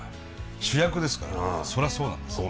主役ですからそりゃそうなんですよ。